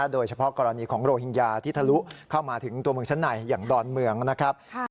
โดยเฉพาะกรณีของโรฮิงญาที่ทะลุเข้ามาถึงตัวเมืองชั้นในอย่างดอนเมืองนะครับ